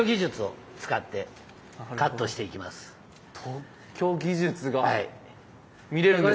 特許技術が見れるんですか？